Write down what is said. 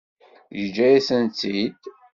Yeǧǧa-yasent-tt-id.